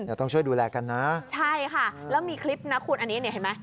เดี๋ยวต้องช่วยดูแลกันนะใช่ค่ะแล้วมีคลิปนะคุณอันนี้เนี่ยเห็นไหม